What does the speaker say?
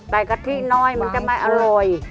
กะทิน้อยมันจะไม่อร่อย